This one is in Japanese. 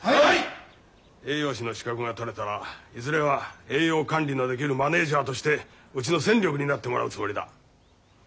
栄養士の資格が取れたらいずれは栄養管理のできるマネージャーとしてうちの戦力になってもらうつもりだ。